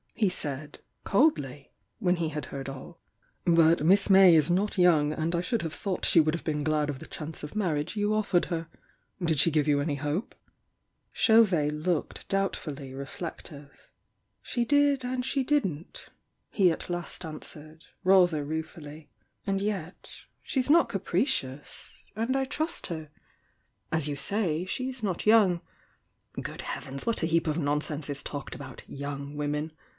he said, coldly, when he had heard all. "But Miss May is not young, and I should have thought she would have been glad of tiie chance of marriage you offered her. Did she give you any hope?" Chauvet looked doubtfully reflective. "She did and she didn't," he at last answered, rather ruefully, "And yet — she's not capricious — THE YOUNG DIANA 269 and I trust her. As you say, she's not young,— t^ heavens, what a heap of nonsense is talked about young' women!